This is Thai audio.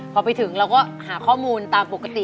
พอไปถึงเราก็หาข้อมูลตามปกติ